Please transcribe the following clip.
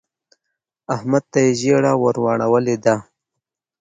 احمد ته يې ژیړه ور واړولې ده.